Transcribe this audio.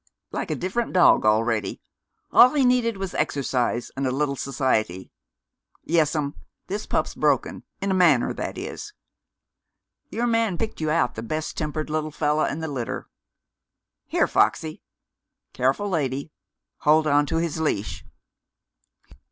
"Like a different dog already. All he needed was exercise and a little society. Yes'm, this pup's broken in a manner, that is. Your man picked you out the best tempered little feller in the litter. Here, Foxy careful, lady! Hold on to his leash!"